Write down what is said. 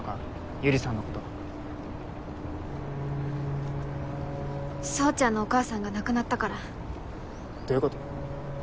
百合さんのこと宗ちゃんのお母さんが亡くなったからどういうこと？